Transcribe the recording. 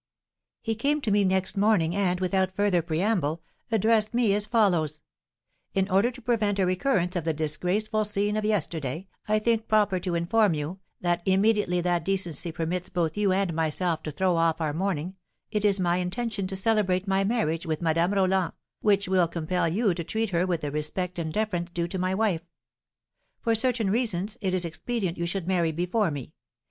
"He came to me next morning, and, without further preamble, addressed me as follows: 'In order to prevent a recurrence of the disgraceful scene of yesterday, I think proper to inform you, that, immediately that decency permits both you and myself to throw off our mourning, it is my intention to celebrate my marriage with Madame Roland, which will compel you to treat her with the respect and deference due to my wife. For certain reasons, it is expedient you should marry before me.